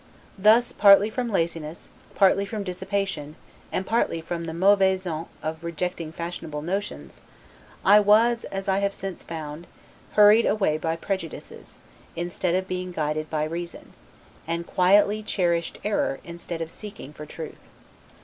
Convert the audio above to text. Thus, partly from laziness, partly from dissipation, and partly from the 'mauvaise honte' of rejecting fashionable notions, I was (as I have since found) hurried away by prejudices, instead of being guided by reason; and quietly cherished error, instead of seeking for truth.